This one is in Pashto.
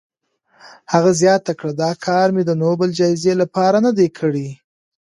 هغه زیاته کړه، دا کار مې د نوبل جایزې لپاره نه دی کړی.